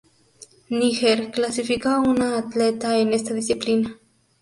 Níger clasificó a una atleta en esta disciplina.